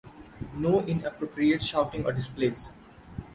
No inappropriate shouting or displays!